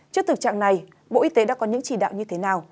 trước thực trạng này bộ y tế đã có những chỉ đạo như thế nào